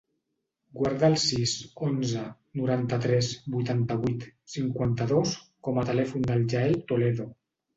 Guarda el sis, onze, noranta-tres, vuitanta-vuit, cinquanta-dos com a telèfon del Yael Toledo.